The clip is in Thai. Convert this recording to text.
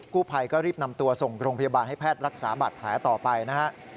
ผู้ภัยก็รีบนำตัวส่งโรงพยาบาลให้แพทย์รักษาบาดแผลต่อไปนะฮะ